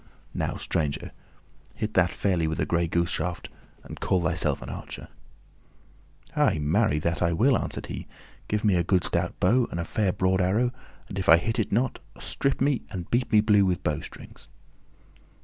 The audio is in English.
Now, stranger, hit that fairly with a gray goose shaft and call thyself an archer." "Ay, marry, that will I," answered he. "Give me a good stout bow and a fair broad arrow, and if I hit it not, strip me and beat me blue with bowstrings."